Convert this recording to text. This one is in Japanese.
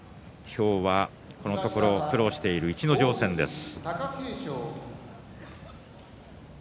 今日は、このところ苦労している逸ノ城戦です。